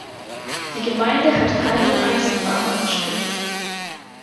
Die Gemeinde hat keinen Eisenbahnanschluss.